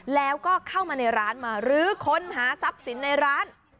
แล้วก็เข้ามาในร้านมารื้อค้นหาทรัพย์สินในร้าน